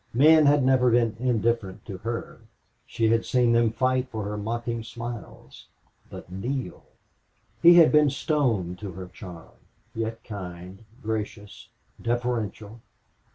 Men had never been indifferent to her; she had seen them fight for her mocking smiles. But Neale! He had been stone to her charm, yet kind, gracious, deferential.